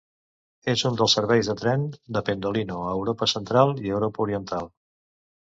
És un dels serveis de tren de Pendolino a Europa Central i Europa Oriental.